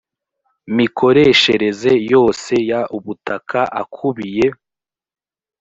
mikoreshereze yose y ubutaka akubiye